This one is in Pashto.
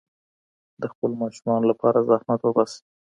د خپلو ماشومانو لپاره زحمت وباسئ.